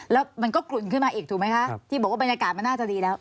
แล้วมันก็กลุ่นขึ้นมาอีกถูกไหมคะที่บอกว่าบรรยากาศมันน่าจะดีแล้ว